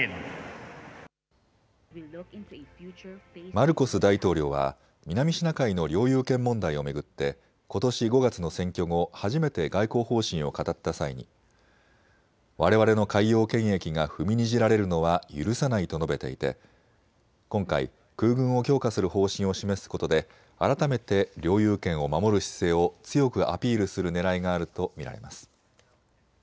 マルコス大統領は南シナ海の領有権問題を巡ってことし５月の選挙後、初めて外交方針を語った際にわれわれの海洋権益が踏みにじられるのは許さないと述べていて今回、空軍を強化する方針を示すことで改めて領有権を守る姿勢を強くアピールするねらいがあると見られます。